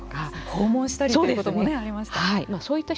訪問したりということもありました。